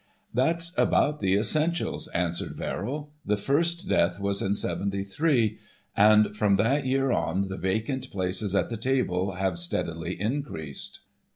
"That's about the essentials," answered Verrill. "The first death was in '73. And from that year on the vacant places at the table have steadily increased.